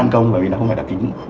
chắc là cháy mọi thứ cũng